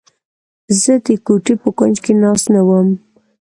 زه د کوټې په کونج کې ناست نه وم.